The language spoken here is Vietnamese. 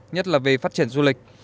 nhất là về phát triển du lịch